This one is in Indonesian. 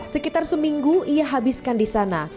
sekitar seminggu ia habiskan di sana